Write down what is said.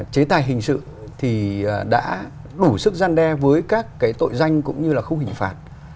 chế tài hình sự thì đã đủ sức gian đe với các cái tội danh cũng như là khung hình phạt